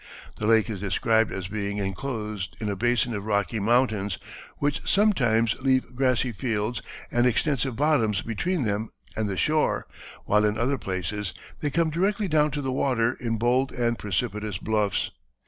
The lake is described as being enclosed in a basin of rocky mountains, which sometimes leave grassy fields and extensive bottoms between them and the shore, while in other places they come directly down to the water in bold and precipitous bluffs.